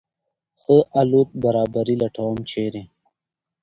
ښه الوت برابري لټوم ، چېرې ؟